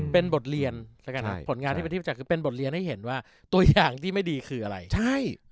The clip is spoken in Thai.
เป็นบทเรียนผลงานที่เป็นที่ประจักษ์คือเป็นบทเรียนให้เห็นว่าตัวอย่างที่ไม่ดีคืออะไรใช่